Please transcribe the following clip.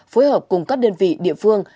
phối hợp cùng các đơn vị địa phương